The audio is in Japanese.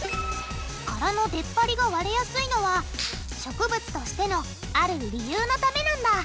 殻のでっぱりが割れやすいのは植物としてのある理由のためなんだ。